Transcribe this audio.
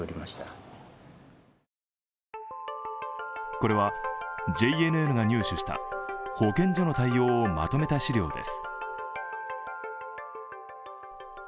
これはＪＮＮが入手した保健所の対応をまとめた資料です。